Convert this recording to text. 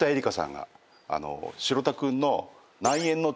城田君の。